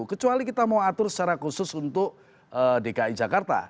kecuali kita mau atur secara khusus untuk dki jakarta